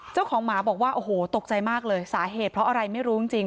เจ้าของหมาบอกว่าโอ้โหตกใจมากเลยสาเหตุเพราะอะไรไม่รู้จริง